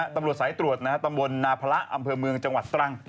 ตำรวจสายตรวจตำบลนาพระอำเภอเมืองจังหวัดตรัง